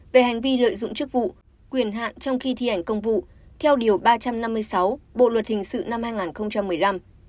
về hành vi lợi dụng chức vụ quyền hạn trong khi thi hành công vụ theo điều ba trăm năm mươi sáu bộ luật hình sự năm hai nghìn một mươi năm